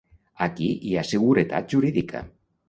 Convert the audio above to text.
aquí hi ha seguretat jurídica